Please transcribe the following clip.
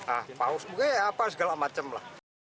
ah paus bukan ya apa segala macam lah